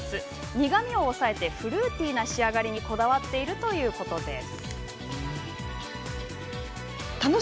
苦みを抑えてフルーティーな仕上がりにこだわっているということです。